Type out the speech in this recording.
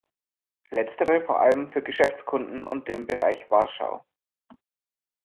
Letztere vor allem für Geschäftskunden und den Bereich Warschau.